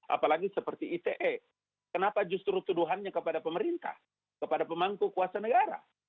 apalagi seperti ite kenapa justru tuduhannya kepada pemerintah kepada pemangku kuasa negara